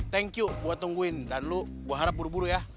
thank you gue tungguin dan lo gue harap buru buru ya